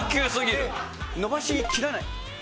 で、伸ばしきらない。